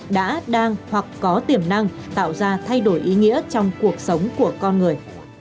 đã đang hoặc có tiềm năng tạo ra thay đổi ý nghĩa trong cuộc đời